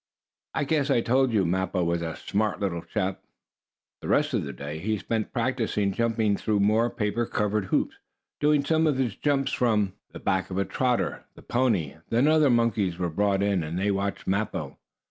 I guess I told you Mappo was a smart little chap. The rest of that day he spent practicing jumping through more paper covered hoops, doing some of his jumps from the back of Trotter, the pony. Then other monkeys were brought in, and they watched Mappo.